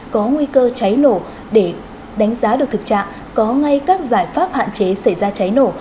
có nguy cơ cháy nổ để đánh giá được thực trạng có ngay các giải pháp hạn chế xảy ra cháy nổ